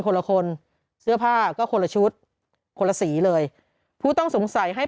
คนละคนเสื้อผ้าก็คนละชุดคนละสีเลยผู้ต้องสงสัยให้